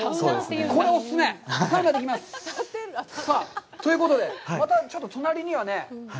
これはお勧め！ということで、またちょっと隣にはね。